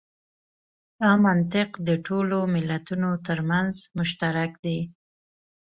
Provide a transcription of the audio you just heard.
دا منطق د ټولو ملتونو تر منځ مشترک دی.